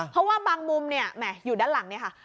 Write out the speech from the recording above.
เพราะว่าบางมุมเนี่ยแหมอยู่ด้านหลังเนี่ยค่ะ